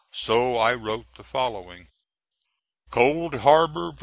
So I wrote the following: COLD HARBOR, VA.